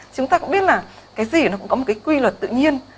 chúng ta cũng biết là cái gì nó cũng có một cái quy luật tự nhiên